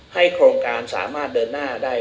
โครงการสามารถเดินหน้าได้